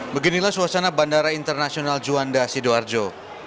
beginilah suasana bandara internasional juanda sidoarjo